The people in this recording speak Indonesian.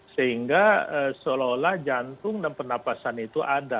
sehingga seolah olah jantung dan penapasan itu ada